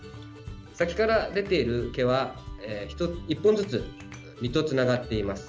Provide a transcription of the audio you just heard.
先から出ている毛は１本ずつ実とつながっています。